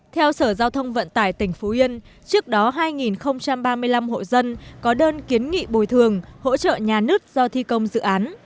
theo sở giao thông vận tải tỉnh phú yên trước đó hai ba mươi năm hộ dân có đơn kiến nghị bồi thường hỗ trợ nhà nước do thi công dự án